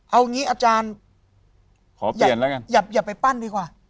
เอางี้อาจารย์ขอเปลี่ยนแล้วกันอย่าไปปั้นดีกว่า